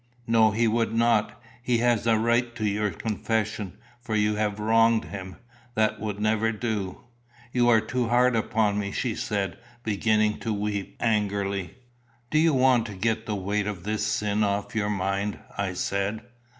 "No, he would not. He has a right to your confession, for you have wronged him. That would never do." "You are too hard upon me," she said, beginning to weep angrily. "Do you want to get the weight of this sin off your mind?" I said.